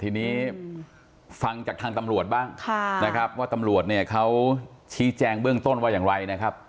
ทีนี้ฟังจากทางตำรวจบ้างนะครับว่าตำรวจเนี่ยเขาชี้แจงเบื้องต้นว่าอย่างไรนะครับ